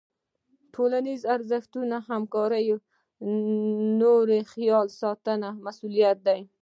ټولنیز ارزښتونه همکاري، د نورو خیال ساتنه او مسؤلیت دي.